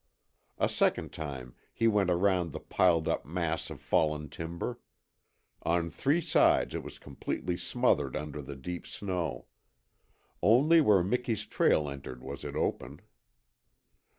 A second time he went around the piled up mass of fallen timber. On three sides it was completely smothered under the deep snow. Only where Miki's trail entered was it open.